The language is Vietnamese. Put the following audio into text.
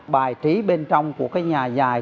bài trí bên trong của cái nhà dài